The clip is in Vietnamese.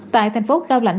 tại thành phố cao lạnh